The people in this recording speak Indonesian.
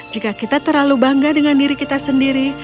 jika kita terlalu bangga dengan diri kita sendiri